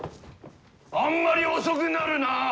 あんまり遅くなるな！